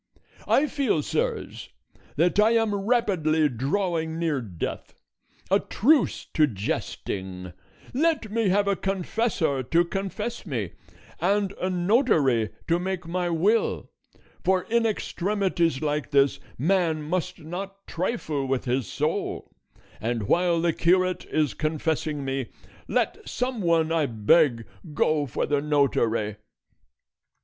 I feel, sirs, that I am rapidly drawing near death: a truce to jesting; let me have a confessor to confess me, and a notary to make my will; for in extremities like this, man must not trifle with his soul; and while the curate is confessing me, let some one, I beg, go for the notary."